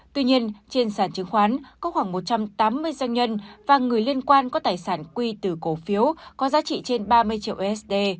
tuy nhiên trên sản chứng khoán có khoảng một trăm tám mươi doanh nhân và người liên quan có tài sản quy từ cổ phiếu có giá trị trên ba mươi triệu usd